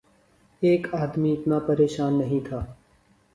ایک آدمی اتنا پریشان نہیں تھا۔